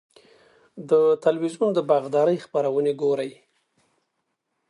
د تلویزیون د باغدارۍ خپرونې ګورئ؟